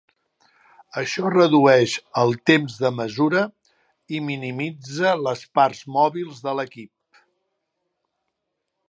Això redueix el temps de mesura, i minimitza les parts mòbils de l'equip.